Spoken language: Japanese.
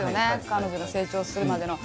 彼女が成長するまでの。